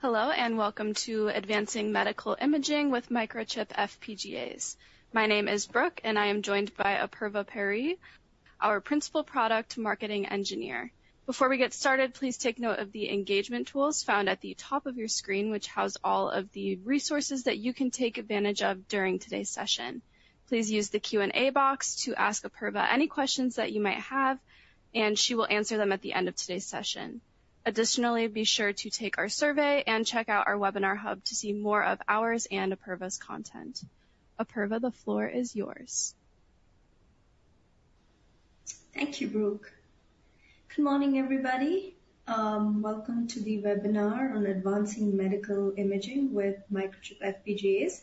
Hello, and welcome to Advancing Medical Imaging with Microchip FPGAs. My name is Brooke, and I am joined by Apurva Peri, our Principal Product Marketing Engineer. Before we get started, please take note of the engagement tools found at the top of your screen, which house all of the resources that you can take advantage of during today's session. Please use the Q&A box to ask Apurva any questions that you might have, and she will answer them at the end of today's session. Additionally, be sure to take our survey, and check out our webinar hub to see more of ours, and Apurva's content. Apurva, the floor is yours. Thank you, Brooke. Good morning, everybody. Welcome to the webinar on Advancing Medical Imaging with Microchip FPGAs.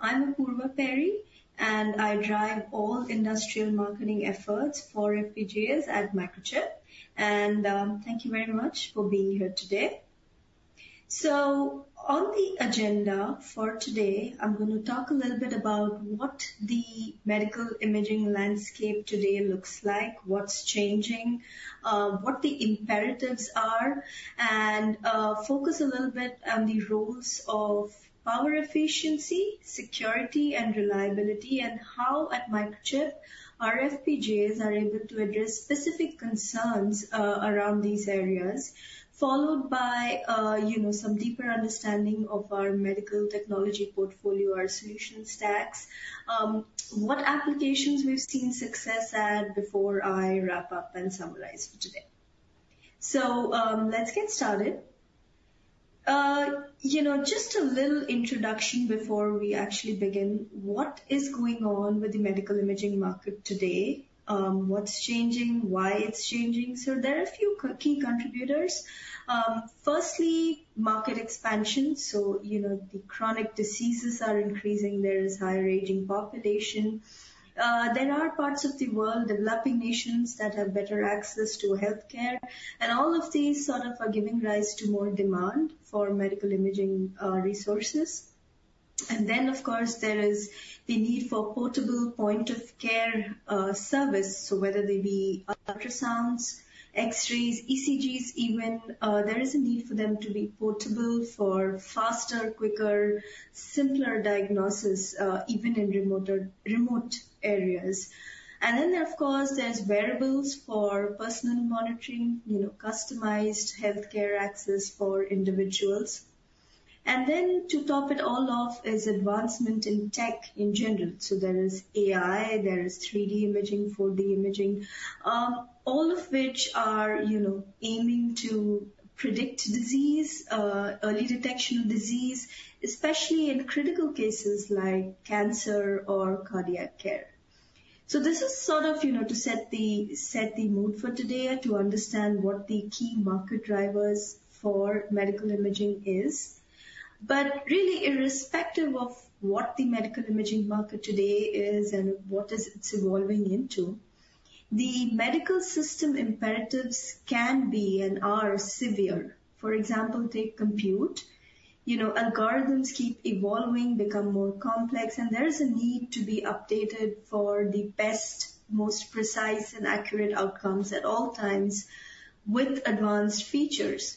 I'm Apurva Peri, and I drive all industrial marketing efforts for FPGAs at Microchip, and thank you very much for being here today. So, on the agenda for today, I'm going to talk a little bit about what the medical imaging landscape today looks like, what's changing, what the imperatives are, and focus a little bit on the roles of power efficiency, security, and reliability, and how at Microchip our FPGAs are able to address specific concerns around these areas, followed by some deeper understanding of our medical technology portfolio, our solution stacks, what applications we've seen success at before I wrap up and summarize for today. So let's get started. Just a little introduction before we actually begin. What is going on with the medical imaging market today? What's changing? Why is it changing? So, there are a few key contributors. Firstly, market expansion. So, the chronic diseases are increasing. There is higher aging population. There are parts of the world, developing nations, that have better access to healthcare. And all of these sort of are giving rise to more demand for medical imaging resources. And then, of course, there is the need for portable point-of-care service. So, whether they be ultrasounds, X-rays, ECGs, even there is a need for them to be portable for faster, quicker, simpler diagnosis, even in remote areas. And then, of course, there's wearables for personal monitoring, customized healthcare access for individuals. And then, to top it all off, is advancement in tech in general. So, there is AI, there is 3D imaging, 4D imaging, all of which are aiming to predict disease, early detection of disease, especially in critical cases like cancer or cardiac care. So, this is sort of to set the mood for today, to understand what the key market drivers for medical imaging is. But really, irrespective of what the medical imaging market today is, and what it's evolving into, the medical system imperatives can be, and are severe. For example, take compute. Algorithms keep evolving, become more complex, and there is a need to be updated for the best, most precise, and accurate outcomes at all times with advanced features.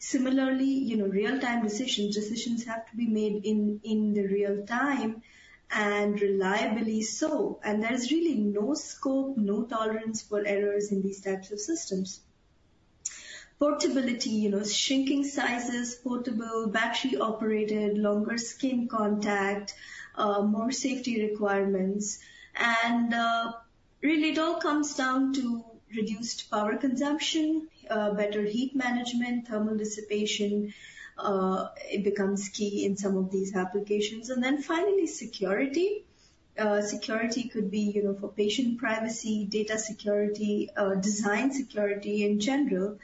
Similarly, real-time decisions. Decisions have to be made in the real time, and reliably so. And there's really no scope, no tolerance for errors in these types of systems. Portability, shrinking sizes, portable, battery-operated, longer skin contact, more safety requirements. And really, it all comes down to reduced power consumption, better heat management, thermal dissipation. It becomes key in some of these applications. And then finally, security. Security could be for patient privacy, data security, design security in general,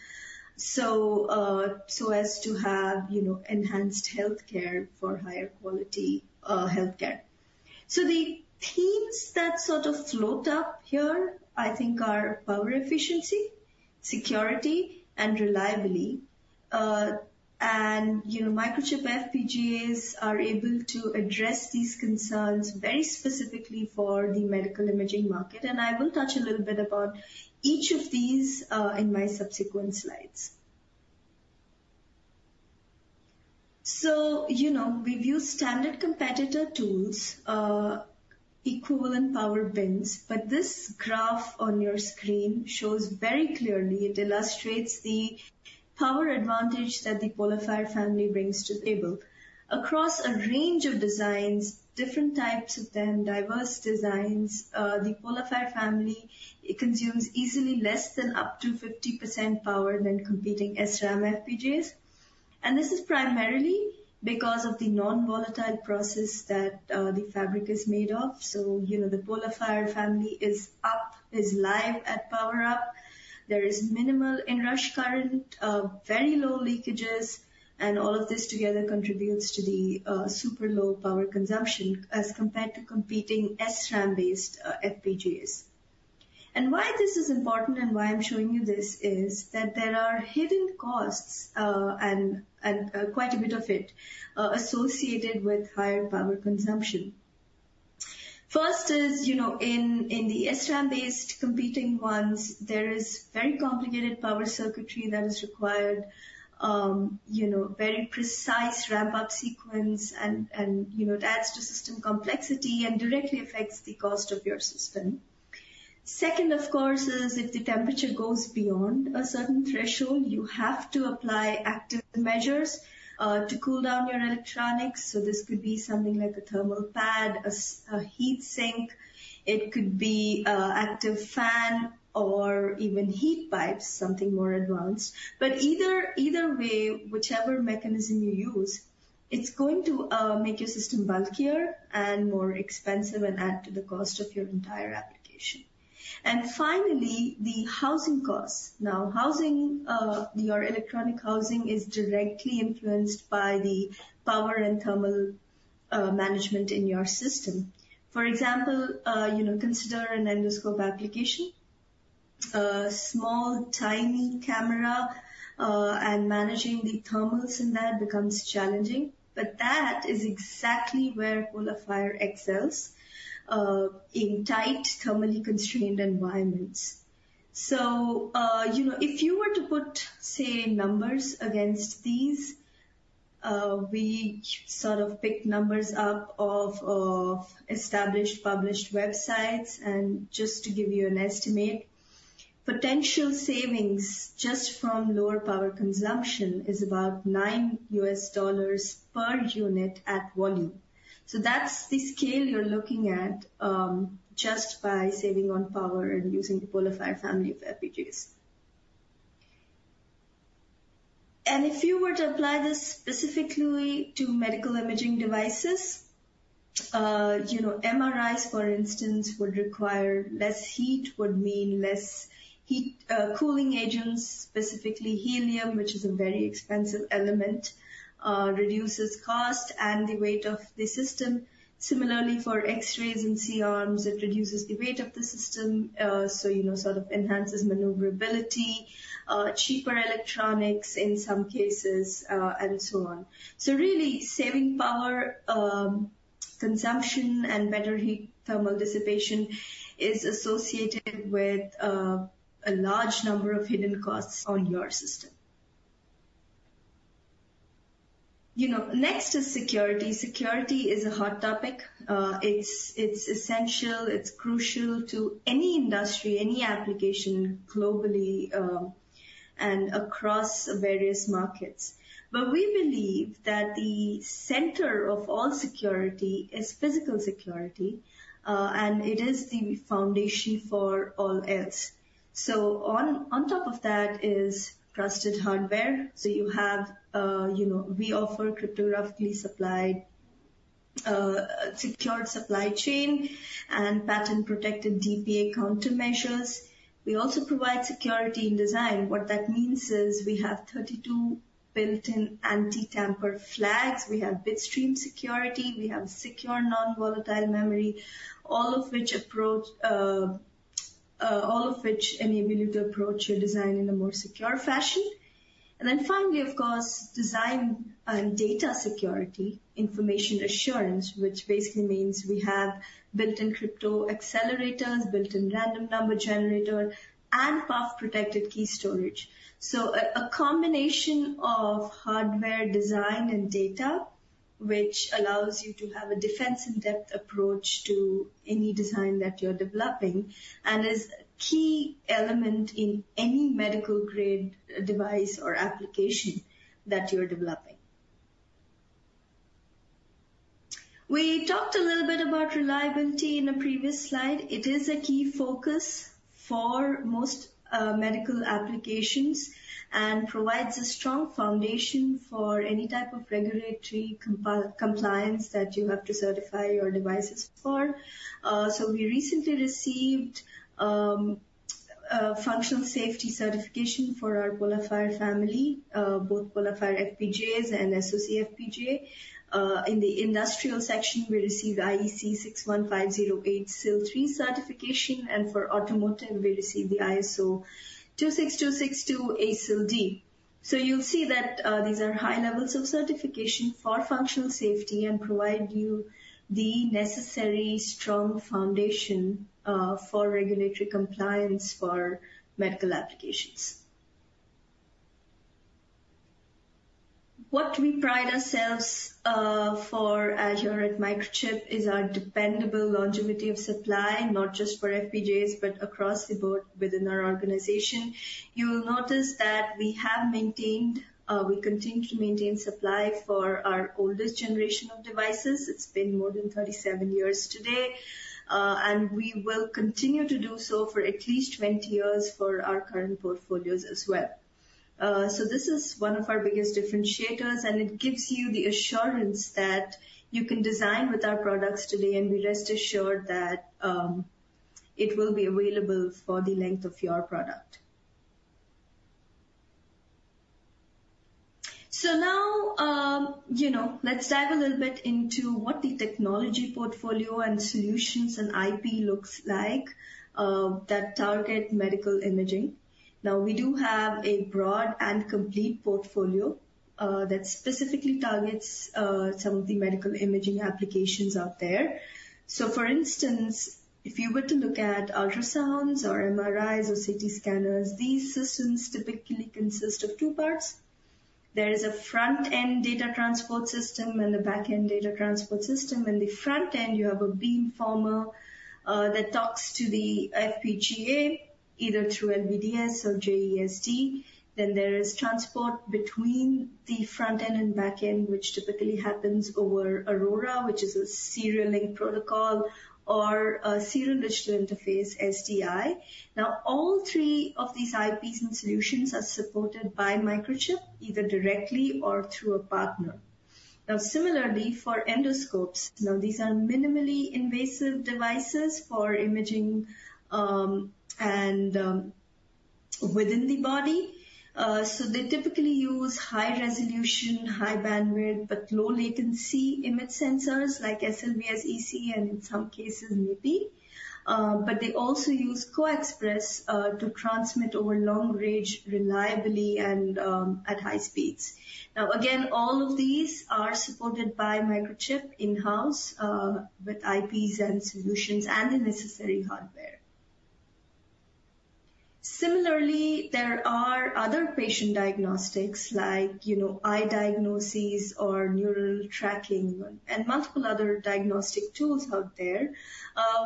so as to have enhanced healthcare for higher quality healthcare. So, the themes that sort of float up here, I think, are power efficiency, security, and reliability. And Microchip FPGAs are able to address these concerns very specifically for the medical imaging market. And I will touch a little bit about each of these in my subsequent slides. So, we've used standard competitor tools, equivalent power bins, but this graph on your screen shows very clearly. It illustrates the power advantage that the PolarFire family brings to the table. Across a range of designs, different types of them, diverse designs, the PolarFire family consumes easily less than up to 50% power than competing SRAM FPGAs. And this is primarily because of the non-volatile process that the fabric is made of. The PolarFire family is up, is live at power up. There is minimal inrush current, very low leakages, and all of this together contributes to the super low power consumption as compared to competing SRAM-based FPGAs. Why this is important and why I'm showing you this is that there are hidden costs and quite a bit of it associated with higher power consumption. First is in the SRAM-based competing ones, there is very complicated power circuitry that is required, very precise ramp-up sequence, and it adds to system complexity and directly affects the cost of your system. Second, of course, is if the temperature goes beyond a certain threshold, you have to apply active measures to cool down your electronics. This could be something like a thermal pad, a heat sink. It could be an active fan or even heat pipes, something more advanced. But either way, whichever mechanism you use, it's going to make your system bulkier, and more expensive and add to the cost of your entire application. And finally, the housing costs. Now, housing, your electronic housing, is directly influenced by the power and thermal management in your system. For example, consider an endoscope application. A small, tiny camera and managing the thermals in that becomes challenging. But that is exactly where PolarFire excels in tight, thermally constrained environments. So, if you were to put, say, numbers against these, we sort of picked numbers up off of established published websites. And just to give you an estimate, potential savings just from lower power consumption is about $9 per unit at volume. So, that's the scale you're looking at just by saving on power and using the PolarFire family of FPGAs. If you were to apply this specifically to medical imaging devices, MRIs, for instance, would require less heat, would mean less heat cooling agents, specifically helium, which is a very expensive element, reduces cost and the weight of the system. Similarly, for X-rays and C-arms, it reduces the weight of the system, so sort of enhances maneuverability, cheaper electronics in some cases, and so on. Really, saving power, consumption, and better heat thermal dissipation is associated with a large number of hidden costs on your system. Next is security. Security is a hot topic. It is essential. It is crucial to any industry, any application globally, and across various markets. We believe that the center of all security is physical security, and it is the foundation for all else. On top of that is trusted hardware. We offer cryptographically secured supply chain and patent-protected DPA countermeasures. We also provide security in design. What that means is we have 32 built-in anti-tamper flags. We have bitstream security. We have secure non-volatile memory, all of which enable you to approach your design in a more secure fashion. And then finally, of course, design, and data security, information assurance, which basically means we have built-in crypto accelerators, built-in random number generator, and PUF-protected key storage. So, a combination of hardware design and data, which allows you to have a defense-in-depth approach to any design that you're developing, and is a key element in any medical-grade device or application that you're developing. We talked a little bit about reliability in a previous slide. It is a key focus for most medical applications, and provides a strong foundation for any type of regulatory compliance that you have to certify your devices for. So, we recently received functional safety certification for our PolarFire family, both PolarFire FPGAs and SoC FPGA. In the industrial section, we received IEC 61508 SIL 3 certification. And for automotive, we received the ISO 26262 ASIL D. So, you'll see that these are high levels of certification for functional safety and provide you the necessary strong foundation for regulatory compliance for medical applications. What we pride ourselves for as you're at Microchip is our dependable longevity of supply, not just for FPGAs, but across the board within our organization. You will notice that we have maintained, we continue to maintain supply for our oldest generation of devices. It's been more than 37 years today. And we will continue to do so for at least 20 years for our current portfolios as well. So, this is one of our biggest differentiators, and it gives you the assurance that you can design with our products today, and be rest assured that it will be available for the length of your product. So now, let's dive a little bit into what the technology portfolio and solutions, and IP looks like that target medical imaging. Now, we do have a broad and complete portfolio that specifically targets some of the medical imaging applications out there. So, for instance, if you were to look at ultrasounds or MRIs or CT scanners, these systems typically consist of two parts. There is a front-end data transport system, and a back-end data transport system. In the front-end, you have a beamformer that talks to the FPGA either through LVDS or JESD. Then there is transport between the front-end and back-end, which typically happens over Aurora, which is a serial-link protocol, or a serial digital interface, SDI. Now, all three of these IPs and solutions are supported by Microchip, either directly or through a partner. Now, similarly, for endoscopes, now, these are minimally invasive devices for imaging and within the body. So, they typically use high-resolution, high-bandwidth, but low-latency image sensors like SLVS-EC and in some cases, MIPI. But they also use CoaXPress to transmit over long range reliably and at high speeds. Now, again, all of these are supported by Microchip in-house with IPs and solutions and the necessary hardware. Similarly, there are other patient diagnostics like eye diagnoses or neural tracking and multiple other diagnostic tools out there,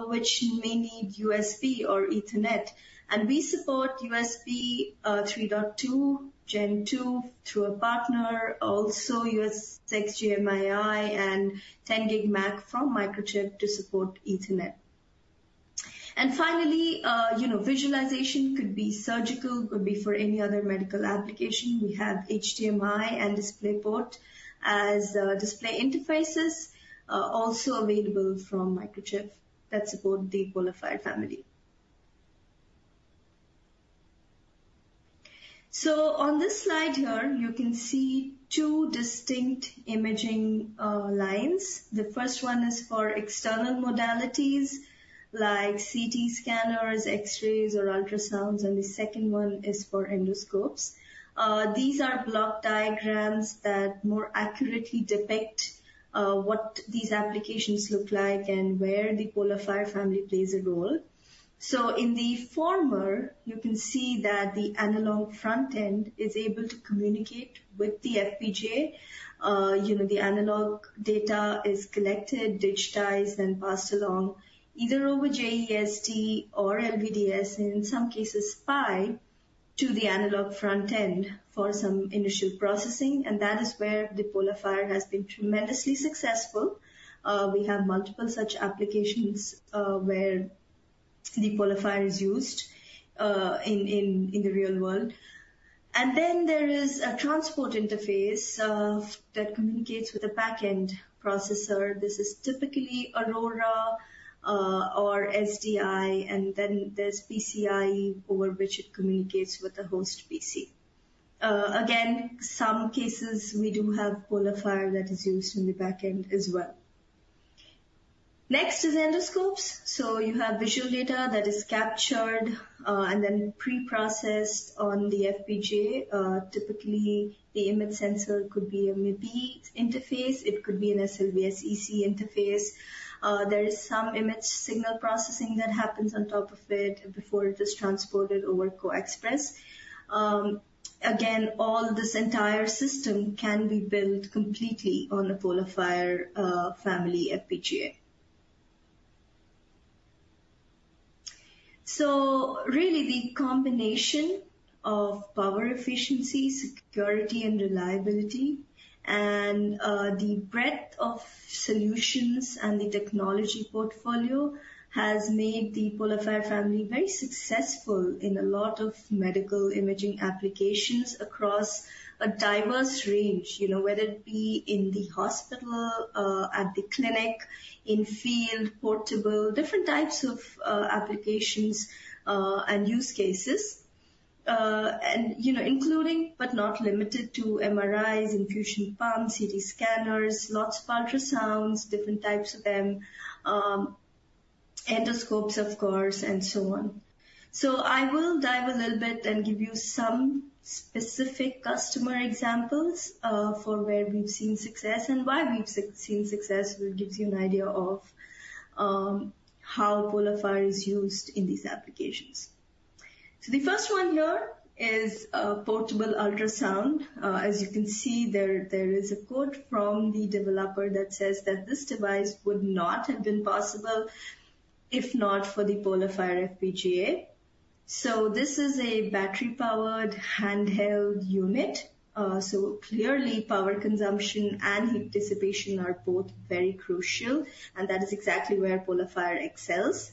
which may need USB or Ethernet. We support USB 3.2 Gen 2 through a partner, also USXGMII and 10 gig MAC from Microchip to support Ethernet. Finally, visualization could be surgical, could be for any other medical application. We have HDMI and DisplayPort as display interfaces also available from Microchip that support the PolarFire family. On this slide here, you can see two distinct imaging lines. The first one is for external modalities like CT scanners, X-rays, or ultrasounds, and the second one is for endoscopes. These are block diagrams that more accurately depict what these applications look like, and where the PolarFire family plays a role. In the former, you can see that the analog front-end is able to communicate with the FPGA. The analog data is collected, digitized, and passed along either over JESD or LVDS, and in some cases, SPI to the analog front-end for some initial processing. That is where the PolarFire has been tremendously successful. We have multiple such applications where the PolarFire is used in the real world. There is a transport interface that communicates with a back-end processor. This is typically Aurora or SDI, and then there's PCI over which it communicates with the host PC. Again, in some cases, we do have PolarFire that is used in the back-end as well. Next is endoscopes. You have visual data that is captured and then pre-processed on the FPGA. Typically, the image sensor could be a MIPI interface. It could be an SLVS-EC interface. There is some image signal processing that happens on top of it before it is transported over CoaXPress. Again, all this entire system can be built completely on the PolarFire family FPGA. Really, the combination of power efficiency, security, and reliability, and the breadth of solutions, and the technology portfolio has made the PolarFire family very successful in a lot of medical imaging applications across a diverse range, whether it be in the hospital, at the clinic, in field, portable, different types of applications, and use cases, including but not limited to MRIs, infusion pumps, CT scanners, lots of ultrasounds, different types of them, endoscopes, of course, and so on. I will dive a little bit and give you some specific customer examples for where we've seen success and why we've seen success, which gives you an idea of how PolarFire is used in these applications. The first one here is a portable ultrasound. As you can see, there is a quote from the developer that says that this device would not have been possible if not for the PolarFire FPGA. So, this is a battery-powered handheld unit. So, clearly, power consumption, and heat dissipation are both very crucial, and that is exactly where PolarFire excels.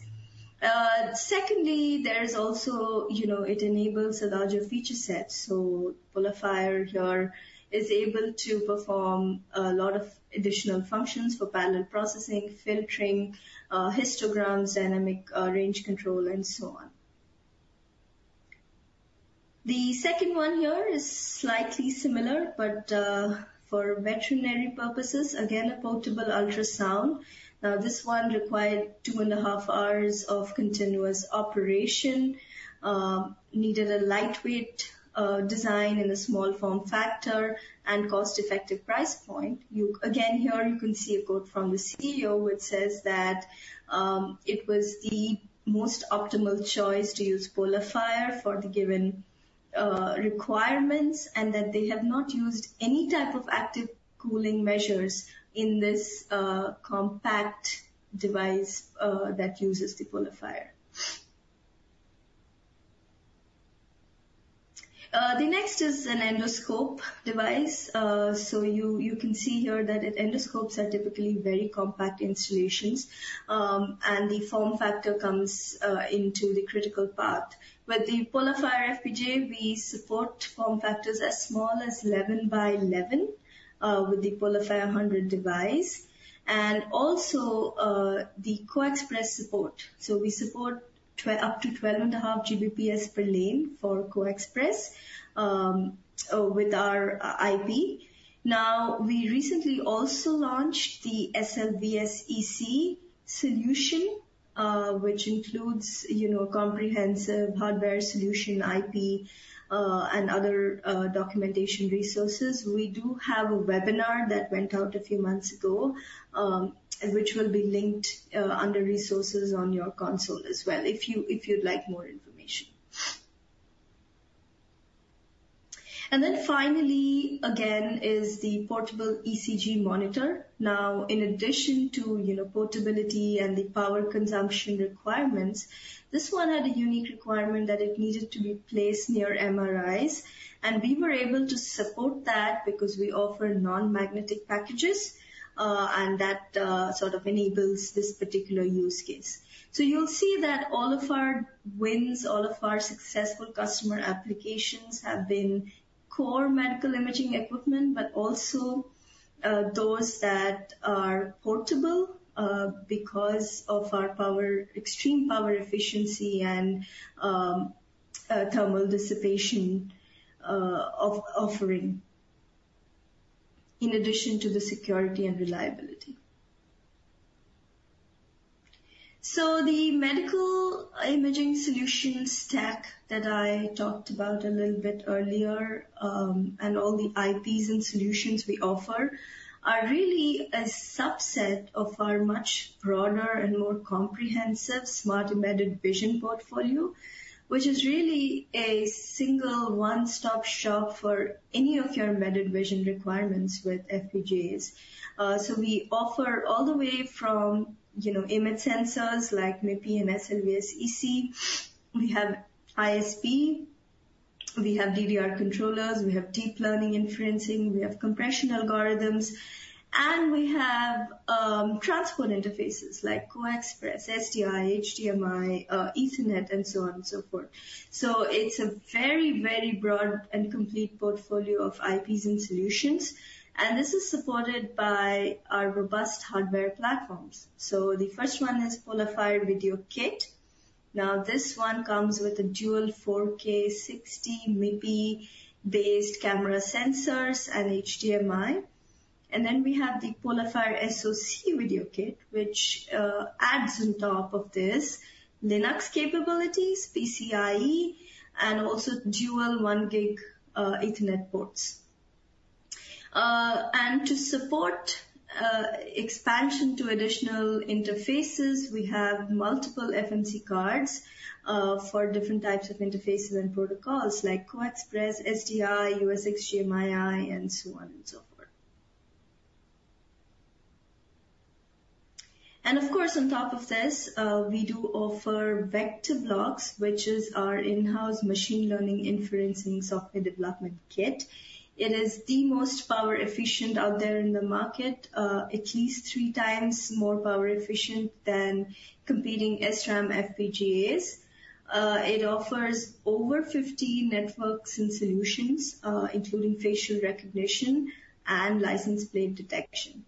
Secondly, there is also it enables a larger feature set. So, PolarFire here is able to perform a lot of additional functions for parallel processing, filtering, histograms, dynamic range control, and so on. The second one here is slightly similar, but for veterinary purposes, again, a portable ultrasound. Now, this one required two and a half hours of continuous operation, needed a lightweight design in a small form factor, and cost-effective price point. Again, here you can see a quote from the CEO, which says that it was the most optimal choice to use PolarFire for the given requirements, and that they have not used any type of active cooling measures in this compact device that uses the PolarFire. The next is an endoscope device. So, you can see here that endoscopes are typically very compact installations, and the form factor comes into the critical part. With the PolarFire FPGA, we support form factors as small as 11 by 11 with the PolarFire 100 device, and also the CoaXPress support. So, we support up to 12 and a half Gbps per lane for CoaXPress with our IP. Now, we recently also launched the SLVS-EC solution, which includes comprehensive hardware solution IP and other documentation resources. We do have a webinar that went out a few months ago, which will be linked under resources on your console as well if you'd like more information. And then finally, again, is the portable ECG monitor. Now, in addition to portability and the power consumption requirements, this one had a unique requirement that it needed to be placed near MRIs. And we were able to support that because we offer non-magnetic packages, and that sort of enables this particular use case. So, you'll see that all of our wins, all of our successful customer applications have been core medical imaging equipment, but also those that are portable because of our extreme power efficiency and thermal dissipation offering, in addition to the security and reliability. So, the medical imaging solution stack that I talked about a little bit earlier, and all the IPs and solutions we offer are really a subset of our much broader, and more comprehensive Smart Embedded Vision portfolio, which is really a single one-stop shop for any of your embedded vision requirements with FPGAs. So, we offer all the way from image sensors like MIPI and SLVS-EC. We have ISP. We have DDR controllers. We have deep learning inferencing. We have compression algorithms. And we have transport interfaces like CoaXPress, SDI, HDMI, Ethernet, and so on and so forth. So, it's a very, very broad and complete portfolio of IPs and solutions. And this is supported by our robust hardware platforms. So, the first one is PolarFire Video Kit. Now, this one comes with a dual 4K 60 MIPI-based camera sensors and HDMI. And then we have the PolarFire SoC Video Kit, which adds on top of this Linux capabilities, PCIe, and also dual one gig Ethernet ports. And to support expansion to additional interfaces, we have multiple FMC cards for different types of interfaces, and protocols like CoaXPress, SDI, USXGMII, and so on and so forth. And of course, on top of this, we do offer VectorBlox, which is our in-house machine learning inferencing software development kit. It is the most power-efficient out there in the market, at least three times more power-efficient than competing SRAM FPGAs. It offers over 50 networks, and solutions, including facial recognition, and license plate detection.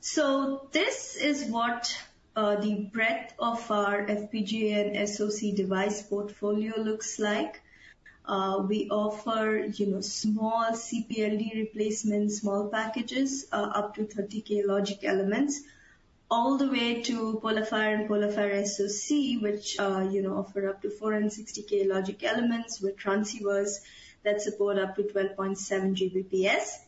So, this is what the breadth of our FPGA, and SoC device portfolio looks like. We offer small CPLD replacements, small packages up to 30K logic elements, all the way to PolarFire and PolarFire SoC, which offer up to 460K logic elements with transceivers that support up to 12.7 Gbps.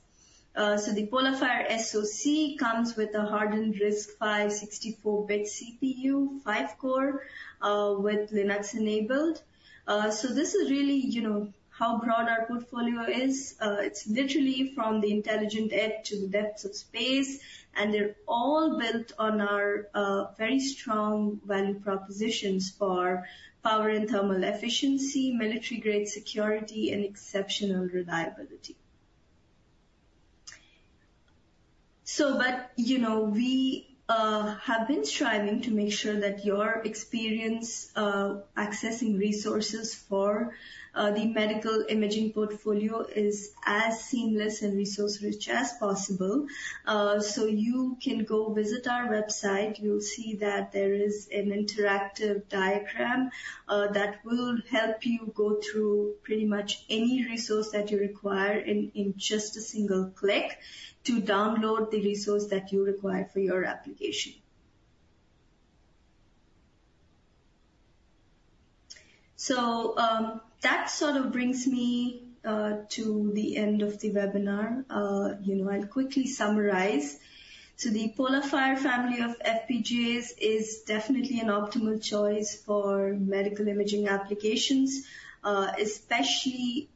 So, the PolarFire SoC comes with a hardened RISC-V 64-bit CPU, 5-core, with Linux enabled. So, this is really how broad our portfolio is. It's literally from the intelligent edge to the depths of space. And they're all built on our very strong value propositions for power and thermal efficiency, military-grade security, and exceptional reliability. So, but we have been striving to make sure that your experience accessing resources for the medical imaging portfolio is as seamless, and resource-rich as possible. So, you can go visit our website. You'll see that there is an interactive diagram that will help you go through pretty much any resource that you require in just a single click to download the resource that you require for your application. So, that sort of brings me to the end of the webinar. I'll quickly summarize. So, the PolarFire family of FPGAs is definitely an optimal choice for medical imaging applications, especially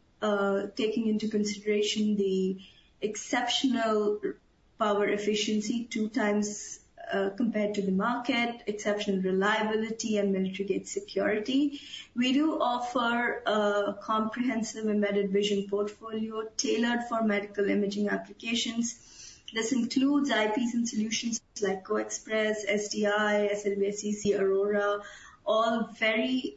taking into consideration the exceptional power efficiency, two times compared to the market, exceptional reliability, and military-grade security. We do offer a comprehensive embedded vision portfolio tailored for medical imaging applications. This includes IPs and solutions like CoaXPress, SDI, SLVS-EC, Aurora, all very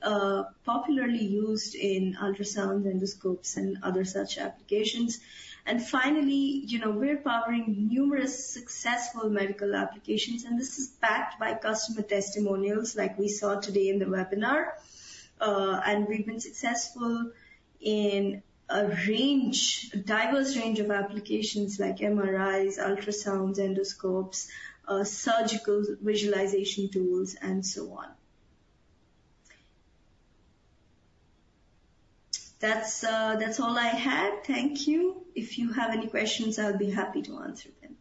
popularly used in ultrasounds, endoscopes, and other such applications. And finally, we're powering numerous successful medical applications, and this is backed by customer testimonials like we saw today in the webinar. And we've been successful in a diverse range of applications like MRIs, ultrasounds, endoscopes, surgical visualization tools, and so on. That's all I had. Thank you. If you have any questions, I'll be happy to answer them.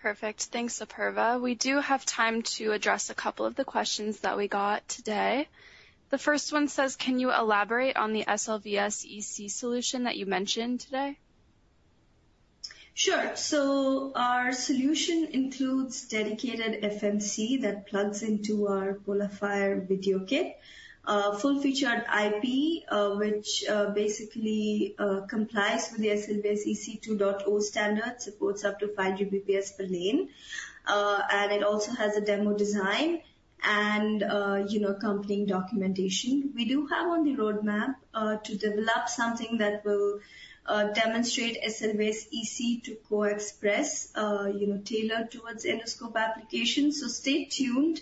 Perfect. Thanks, Apurva. We do have time to address a couple of the questions that we got today. The first one says, "Can you elaborate on the SLVS-EC solution that you mentioned today? Sure. So, our solution includes dedicated FMC that plugs into our PolarFire Video Kit, full-featured IP, which basically complies with the SLVS-EC 2.0 standard, supports up to 5 Gbps per lane. And it also has a demo design and accompanying documentation. We do have on the roadmap to develop something that will demonstrate SLVS-EC to CoaXPress tailored towards endoscope applications. So, stay tuned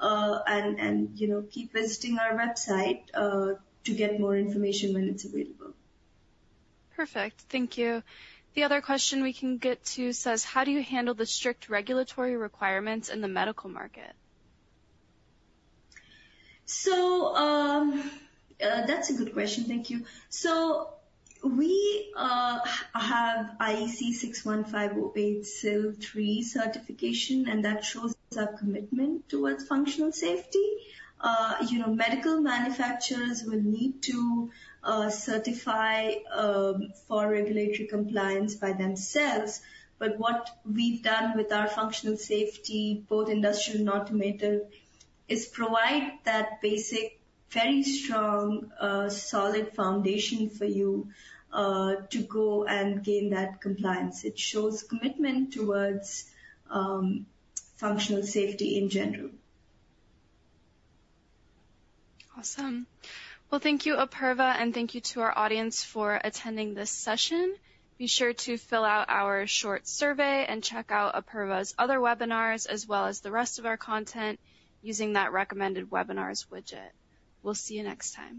and keep visiting our website to get more information when it's available. Perfect. Thank you. The other question we can get to says, how do you handle the strict regulatory requirements in the medical market? So, that's a good question. Thank you. So, we have IEC 61508 SIL 3 certification, and that shows our commitment towards functional safety. Medical manufacturers will need to certify for regulatory compliance by themselves. But what we've done with our functional safety, both industrial and automotive, is provide that basic, very strong, solid foundation for you to go and gain that compliance. It shows commitment towards functional safety in general. Awesome. Well, thank you, Apurva, and thank you to our audience for attending this session. Be sure to fill out our short survey, and check out Apurva's other webinars as well as the rest of our content using that recommended webinars widget. We'll see you next time.